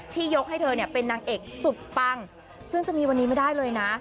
ยกให้เธอเนี่ยเป็นนางเอกสุดปังซึ่งจะมีวันนี้ไม่ได้เลยนะ